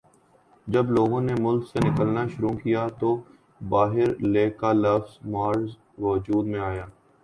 جب لوگوں نے ملک سے نکلنا شروع کیا تو باہرلے کا لفظ معرض وجود میں آیا